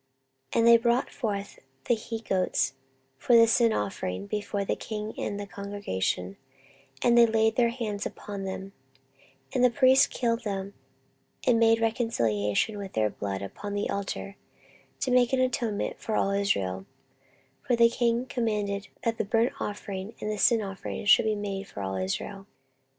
14:029:023 And they brought forth the he goats for the sin offering before the king and the congregation; and they laid their hands upon them: 14:029:024 And the priests killed them, and they made reconciliation with their blood upon the altar, to make an atonement for all Israel: for the king commanded that the burnt offering and the sin offering should be made for all Israel.